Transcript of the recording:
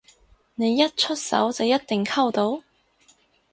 你一出手就一定溝到？